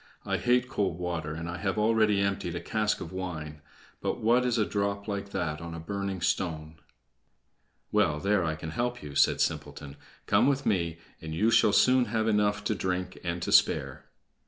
I hate cold water, and I have already emptied a cask of wine; but what is a drop like that on a burning stone?" "Well, there I can help you," said Simpleton. "Come with me, and you shall soon have enough to drink and to spare."